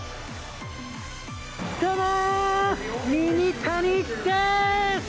どうもー、ミニタニです！